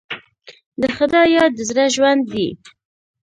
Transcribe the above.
د خدای یاد د زړه ژوند دی.